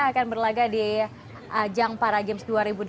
akan berlaga di ajang para games dua ribu delapan belas